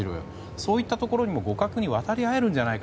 そういったところにも互角に渡り合えるんじゃないか。